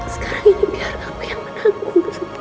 sekarang ini biar aku yang menanggung kesemua ini